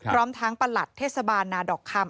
พร้อมทั้งประหลัดเทศบาลนาดอกคำ